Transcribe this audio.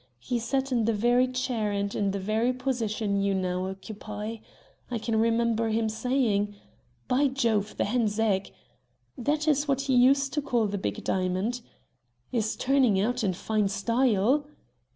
He sat in the very chair and in the very position you now occupy. I can remember him saying: 'By jove! the hen's egg' that is what he used to call the big diamond 'is turning out in fine style.'